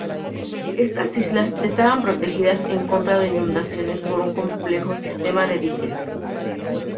Estas islas estaban protegidas en contra de inundaciones por un complejo sistema de diques.